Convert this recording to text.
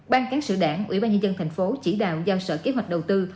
ban cáng sử đảng ủy ban nhân dân tp hcm chỉ đào giao sở kế hoạch đầu tư